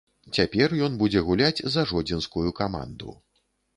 Цяпер ён будзе гуляць за жодзінскую каманду.